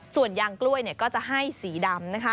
ส่วนยางกล้วยก็จะให้สีดำ